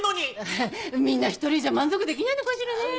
みんな１人じゃ満足できないのかしらね。